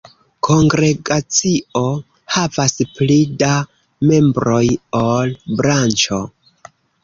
Kongregacio havas pli da membroj ol branĉo.